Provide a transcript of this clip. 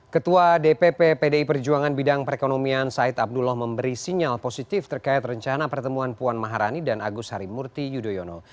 ketua dpp pdi perjuangan bidang perekonomian said abdullah memberi sinyal positif terkait rencana pertemuan puan maharani dan agus harimurti yudhoyono